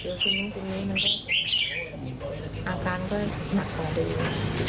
เจอคุณแล้วคุณนี้อาการก็หนักกว่าเดียวกัน